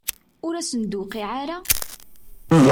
Ur asen-d-tuqiɛ ara?